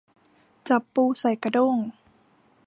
จับปูใส่กระด้ง